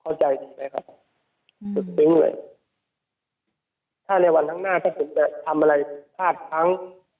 เข้าใจดีไหมครับสุดซึ้งเลยถ้าในวันข้างหน้าถ้าผมจะทำอะไรพลาดพัง